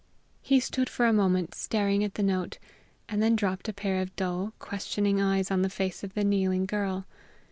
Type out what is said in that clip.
He stood for a moment staring at the note, and then dropped a pair of dull, questioning eyes on the face of the kneeling girl.